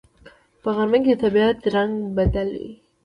په غرمه کې د طبیعت رنگ بدل وي